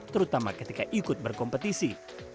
terutama ketika ikut berkompetisi